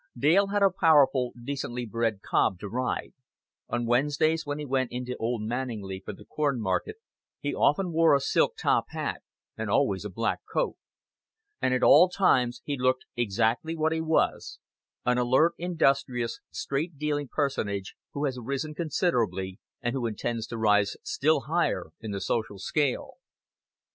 Dale had a powerful decently bred cob to ride; on Wednesdays, when he went into Old Manninglea for the Corn Market, he often wore a silk top hat and always a black coat; and at all times he looked exactly what he was, an alert, industrious, straight dealing personage who has risen considerably and who intends to rise still higher in the social scale.